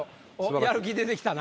やる気出てきたな。